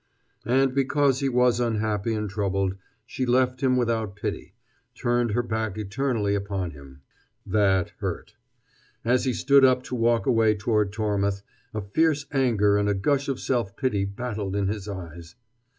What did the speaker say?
And, because he was unhappy and troubled, she left him without pity, turned her back eternally upon him. That hurt. As he stood up to walk away toward Tormouth, a fierce anger and a gush of self pity battled in his eyes.